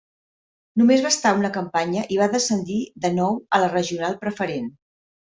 Només va estar una campanya i va descendir de nou a la Regional Preferent.